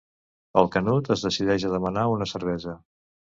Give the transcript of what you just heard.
El Canut es decideix a demanar una cervesa.